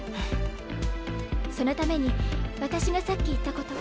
そのために私がさっき言ったこと。